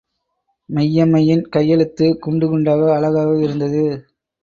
மெய்யம்மையின் கையெழுத்து குண்டு குண்டாக அழகாக இருந்தது.